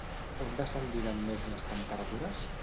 On descendiran més les temperatures?